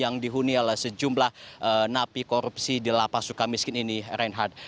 yang dihuni oleh sejumlah napi korupsi di lapas suka miskin ini reinhardt